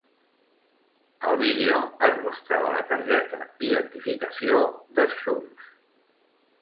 Al vídeo es mostrava la targeta d'identificació de Schulz.